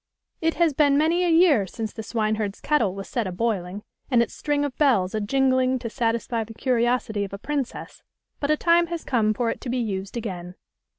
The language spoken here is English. It has been many a year since the swineherd's kettle was set a boiling and its string of bells a jin gling to satisfy the curiosity of a princess, but a time has come for it to be used again.